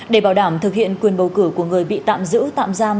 để bảo đảm thực hiện quyền bầu cử của người bị tạm giữ tạm giam